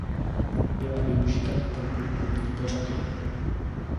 Byla využita i pro kulturní pořady.